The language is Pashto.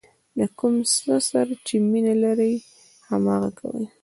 د کوم څه سره چې مینه لرئ هماغه کوئ.